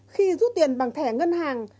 khi rút tiền bằng thẻ ngân hàng